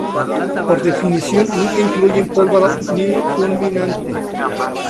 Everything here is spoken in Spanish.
Por definición, nunca incluyen pólvora ni fulminante.